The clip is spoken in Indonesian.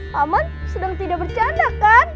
pak man sedang tidak bercanda kan